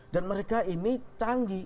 dan mereka ini canggih